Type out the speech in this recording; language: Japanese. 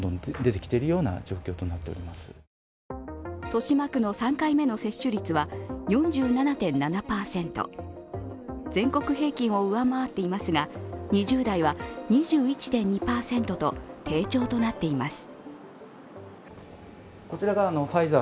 豊島区の３回目の接種率は４７．７％全国平均を上回っていますが２０代は２１．２％と低調となっています。